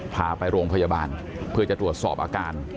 พาไปโรงพยาบาลเพื่อจะตรวจสอบอาการ